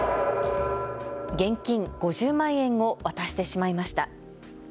現金５０万円を渡してしまいました。